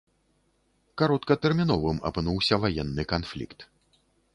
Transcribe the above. Кароткатэрміновым апынуўся ваенны канфлікт.